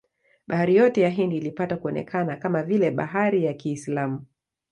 Bahari yote ya Hindi ilipata kuonekana kama vile bahari ya Kiislamu.